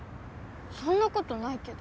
そんなことないけど。